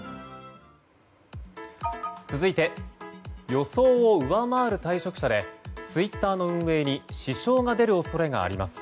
続いて予想を上回る退職者でツイッターの運営に支障が出る恐れがあります。